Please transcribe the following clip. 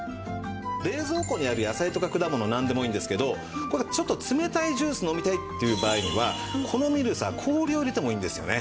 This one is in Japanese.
冷蔵庫にある野菜とか果物なんでもいいんですけどちょっと冷たいジュース飲みたいっていう場合にはこのミルサー氷を入れてもいいんですよね。